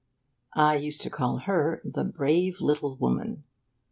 I used to call her the Brave Little Woman.